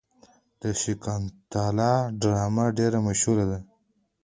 د شاکونتالا ډرامه ډیره مشهوره ده.